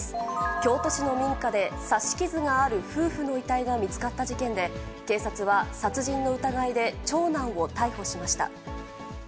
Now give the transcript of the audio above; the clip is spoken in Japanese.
京都市の民家で刺し傷がある夫婦の遺体が見つかった事件で、警察は殺人の疑いで長男を逮捕しました。